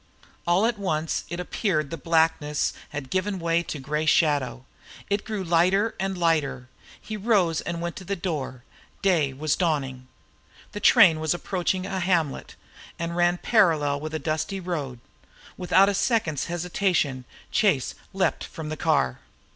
All at once it appeared the blackness had given way to gray shadow. It grew lighter and lighter. He rose and went to the door. Day was dawning. The train was approaching a hamlet, and ran parallel with a dusty road. Without a second's hesitation Chase leaped from the car.